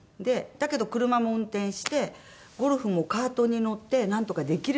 だけど車も運転してゴルフもカートに乗ってなんとかできるように。